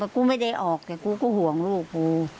กูไม่ได้ออกแต่กูก็ห่วงลูกกู